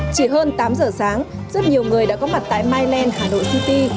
chỉ hơn tám giờ sáng rất nhiều người đã có mặt tại mylen hà nội city